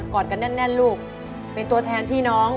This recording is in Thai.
อดกันแน่นลูกเป็นตัวแทนพี่น้อง